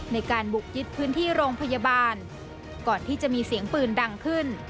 ในการบุกยึดพื้นที่โรงพยาบาลก่อนที่จะมีเสียงปืนดังขึ้น